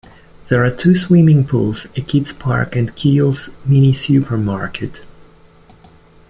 There are two swimming pools, a kids Park and Keell's mini-supermarket.